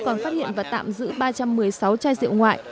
còn phát hiện và tạm giữ ba trăm một mươi sáu chai rượu ngoại